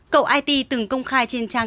cậu it từng công kháng